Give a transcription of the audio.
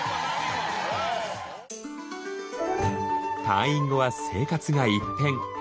退院後は生活が一変。